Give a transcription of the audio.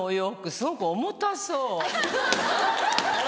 すごく重たそう。